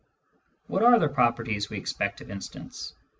What are the properties we expect of instants